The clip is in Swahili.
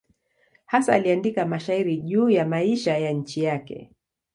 Hasa aliandika mashairi juu ya maisha ya nchi yake.